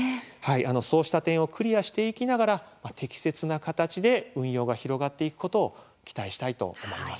そうした点をクリアしていきながら適切な形で運用が広がっていくことを期待したいと思います。